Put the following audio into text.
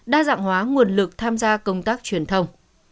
đa dạng hóa nguồn lực tham gia công tác truyền thông